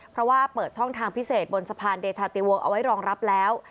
เพราะว่าเปิดช่องทางพิเศษบนสะพานเดชาติวงเอาไว้รองรับแล้ว